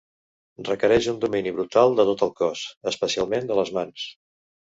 Requereix un domini brutal de tot el cos, especialment de les mans.